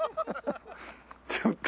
ちょっと。